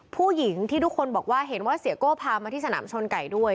ผู้หญิงที่ทุกคนบอกว่าเห็นว่าเสียโก้พามาที่สนามชนไก่ด้วย